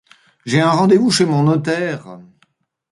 J'ai un rendez-vous chez mon notaire !